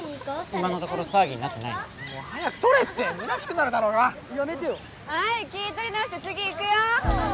今のところ騒ぎになってないね早く取れって虚しくなるだろうがやめてよはい気取り直して次行くよオーゴー！